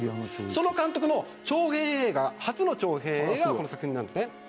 その監督の初の長編映画がこの作品なんですね。